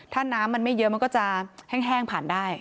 ถ้าน้ำมันไม่เยอะมันก็จะแห้งผ่านได้